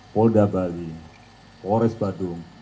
polda bali pores badung